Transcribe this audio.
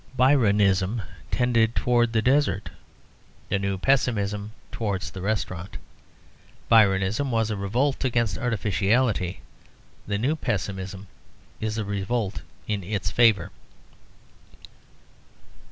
Byronism tended towards the desert; the new pessimism towards the restaurant. Byronism was a revolt against artificiality; the new pessimism is a revolt in its favour.